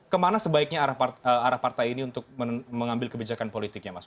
kemana sebaiknya arah partai ini untuk mengambil kebijakan politiknya mas